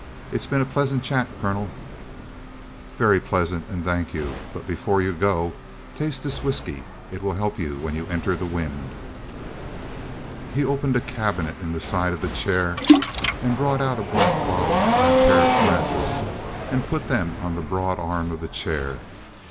It has been a pleasant chat, colonel." "Very pleasant. And thank you. But before you go, taste this whisky. It will help you when you enter the wind." He opened a cabinet in the side of the chair and brought out a black bottle and a pair of glasses and put them on the broad arm of the chair.